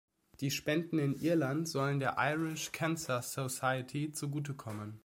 Die Spenden in Irland sollen der "Irish Cancer Society" zugutekommen.